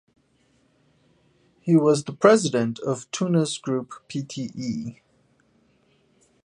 He was the President of Tunas Group Pte.